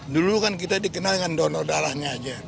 dulu kan kita dikenal dengan donor darahnya aja